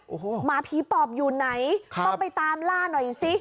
โอ้โหหมาผีปอบอยู่ไหนต้องไปตามล่าหน่อยสิ